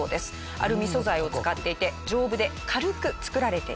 アルミ素材を使っていて丈夫で軽く作られています。